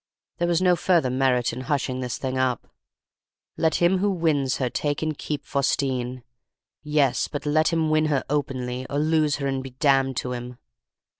There was no further merit in hushing this thing up. 'Let him who wins her take and keep Faustine.' Yes, but let him win her openly, or lose her and be damned to him!